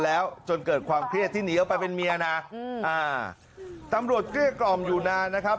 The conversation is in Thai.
แล้วจนเกิดความเครียดที่หนีออกไปเป็นเมียนะอืมอ่าตำรวจเกลี้ยกล่อมอยู่นานนะครับ